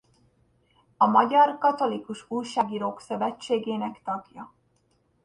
A Magyar Katolikus Újságírók Szövetségének tagja.